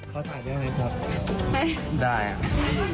เขาถ่ายได้ไหมครับได้ครับ